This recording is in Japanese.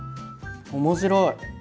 面白い！